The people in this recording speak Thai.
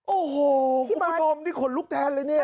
โอ้โหคุณผู้ชมนี่ขนลุกแทนเลยเนี่ย